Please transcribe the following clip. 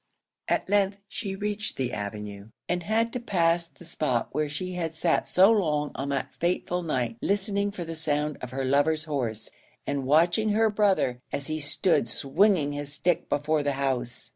At length she reached the avenue, and had to pass the spot where she had sat so long on that fatal night listening for the sound of her lover's horse, and watching her brother as he stood swinging his stick before the house.